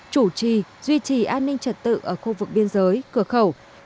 chủ trì duy trì an ninh trật tự ở khu vực biên giới cửa khẩu